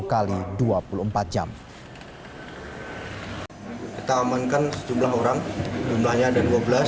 kita amankan sejumlah orang jumlahnya ada dua belas